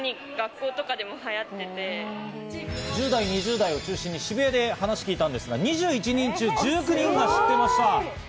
１０代、２０代を中心に渋谷で話を聞いたんですが２１人中１９人が知っていました。